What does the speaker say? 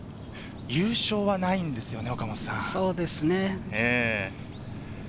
優勝はないんですよね。